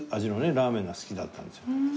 ラーメンが好きだったんですよ。